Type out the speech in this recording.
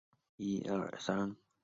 就不会有思想认识的统一